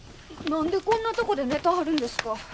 何でこんなとこで寝たはるんですか。